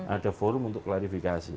ada forum untuk klarifikasi